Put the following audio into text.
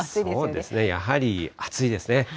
そうですね、やはり暑いですね。